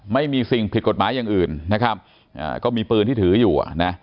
ไม่มีสิ่งผิดกฎหมายอย่างอื่นนะครับก็มีปืนที่ถืออยู่อ่ะนะ